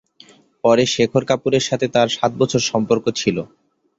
পরে শেখর কাপুরের সাথে তার সাত বছর সম্পর্ক ছিল।